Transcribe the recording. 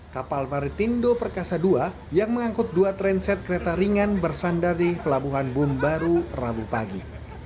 kapal maritindo perkasa dua yang mengangkut dua transit kereta ringan bersandar di pelabuhan bumbaru rabu pagi